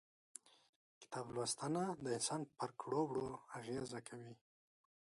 کتاب لوستنه د انسان پر کړو وړو اغيزه کوي.